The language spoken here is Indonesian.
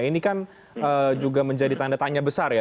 ini kan juga menjadi tanda tanya besar ya